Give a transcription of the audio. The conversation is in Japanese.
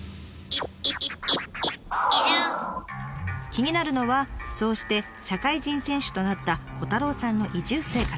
気になるのはそうして社会人選手となった虎太郎さんの移住生活。